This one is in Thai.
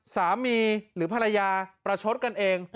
หรือภรรยาประชดกันเอง